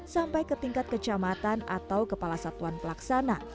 sampai ke tingkat kecamatan atau kepala satuan pelaksana